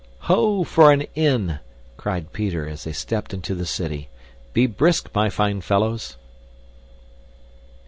"Ho! for an inn!" cried Peter as they stepped into the city. "Be brisk, my fine fellows!"